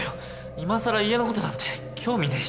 今さら家の事なんて興味ねえし。